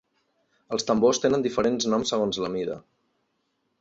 Els tambors tenen diferents noms segons la mida.